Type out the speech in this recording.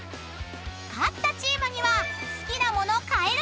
［勝ったチームには］